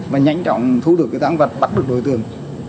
và nhanh chóng thu được cái thắng vật bắt được đối tượng